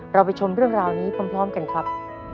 เราไปชมเรื่องราวนี้พร้อมกันครับ